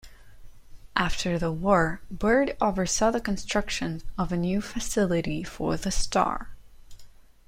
After the war, Byrd oversaw the construction of a new facility for the "Star".